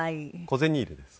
小銭入れです。